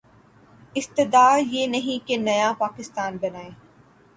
استدعا یہ نہیں کہ نیا پاکستان بنائیں۔